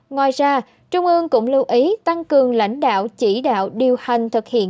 ngoài ra trung ương cũng lưu ý tăng cường lãnh đạo chỉ đạo điều hành thực hiện